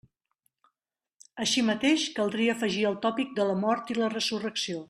Així mateix, caldria afegir el tòpic de la mort i la resurrecció.